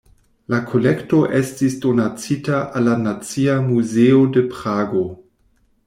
La kolekto estis donacita al la Nacia Muzeo de Prago.